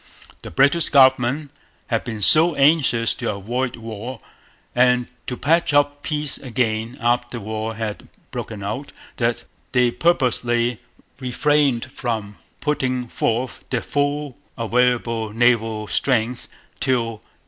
The British government had been so anxious to avoid war, and to patch up peace again after war had broken out, that they purposely refrained from putting forth their full available naval strength till 1813.